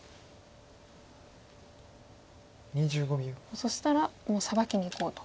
そしたらもうサバキにいこうと。